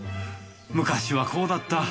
昔はこうだった。